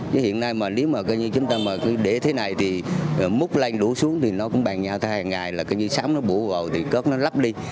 chứ hiện nay mà nếu như chúng ta mà cứ để thế này thì múc lanh đổ xuống thì nó cũng bàn nhau theo hàng ngày là như sáng nó bủ gầu thì cớp nó lắp đi